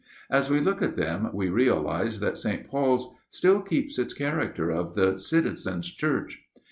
As we look at them we realize that St. Paul's still keeps its character of the Citizens' Church.